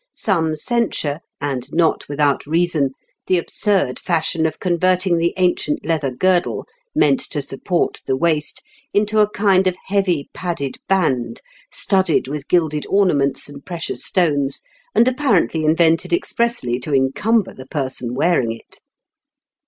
Some censure, and not without reason, the absurd fashion of converting the ancient leather girdle, meant to support the waist, into a kind of heavy padded band, studded with gilded ornaments and precious stones, and apparently invented expressly to encumber the person wearing it.